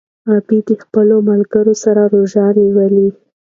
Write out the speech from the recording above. غابي د خپل ملګري سره روژه نیولې.